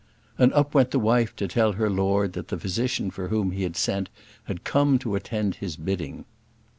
And up went the wife to tell her lord that the physician for whom he had sent had come to attend his bidding.